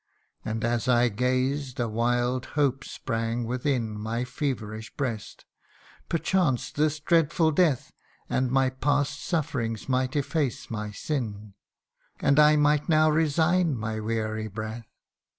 And as I gazed, a wild hope sprang within My feverish breast : perchance this dreadful death And my past sufferings might efface my sin ; And I might now resign my weary breath.